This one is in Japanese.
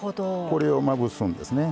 これをまぶすんですね。